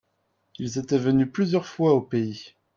Ils étaient venus plusieurs fois au pays.